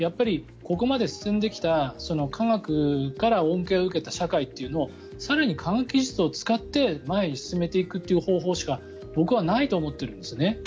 ここまで進んできた科学から恩恵を受けた社会というのを更に科学技術を使って前に進めていくという方法しかないと僕は思っているんですね。